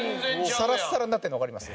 サラッサラになってるのわかります？